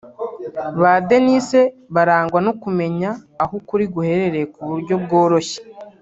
Ba Denise barangwa no kumenya aho ukuri guherereye ku buryo bworoshye